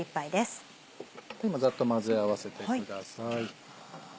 ザッと混ぜ合わせてください。